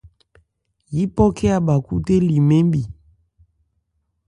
Yípɔ khɛ́n a bha khúthé li mɛn bhi.